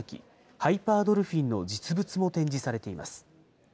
ハイパードルフィンの実物も展示されています。